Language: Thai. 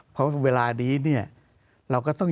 เพราะเวลานี้เนี่ยเราก็ต้อง